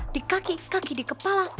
di kaki kaki di kepala